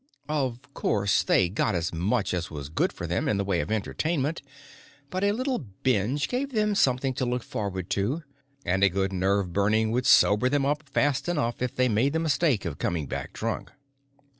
Of course, they got as much as was good for them in the way of entertainment, but a little binge gave them something to look forward to, and a good nerve burning would sober them up fast enough if they made the mistake of coming back drunk.